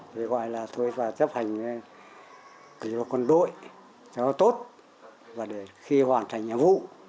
tôi gọi là tôi phải chấp hành kỷ vật quân đội cho tốt và để khi hoàn thành nhiệm vụ